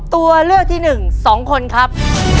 ตัวเลือกที่หนึ่ง๒คนครับ